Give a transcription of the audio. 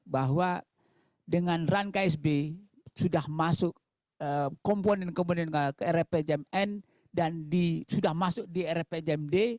bahwa dengan ran ksb sudah masuk komponen komponen ke rfp jem n dan sudah masuk di rfp jem d